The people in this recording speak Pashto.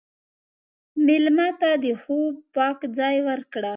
مېلمه ته د خوب پاک ځای ورکړه.